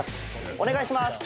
お願いします。